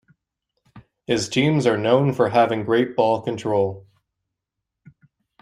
His teams are known for having great ball control.